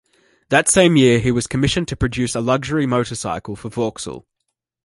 That same year he was commissioned to produce a luxury motorcycle for Vauxhall.